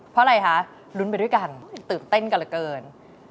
เพราะอะไรคะลุ้นไปด้วยกันตื่นเต้นกันเหลือเกิน